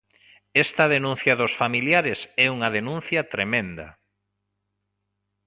Esta denuncia dos familiares é unha denuncia tremenda.